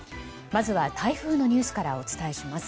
まずは台風のニュースからお伝えします。